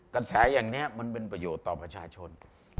กระแสอย่างนี้มันเป็นประโยชน์ต่อประชาชน